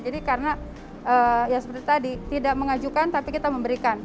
jadi karena ya seperti tadi tidak mengajukan tapi kita memberikan